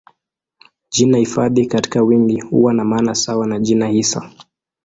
Jina hifadhi katika wingi huwa na maana sawa na jina hisa.